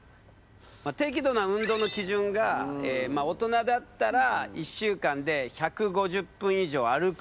適度な運動の基準が大人だったら１週間で１５０分以上歩くか。